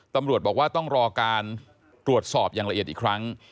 ตำรวจบอกว่าต้องรอการตรวจสอบอย่างละเอียดอีกครั้ง